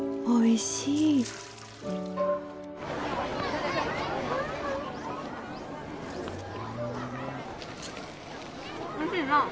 おいしいな？